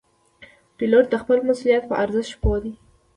پیلوټ د خپل مسؤلیت په ارزښت پوه دی.